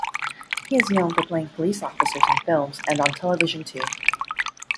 He is known for playing police officers in films and on television, too.